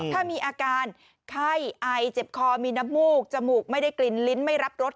ถ้ามีอาการไข้ไอเจ็บคอมีน้ำมูกจมูกไม่ได้กลิ่นลิ้นไม่รับรส